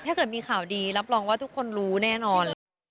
ถ้าเกิดมีข่าวดีรับรองว่าทุกคนรู้แน่นอน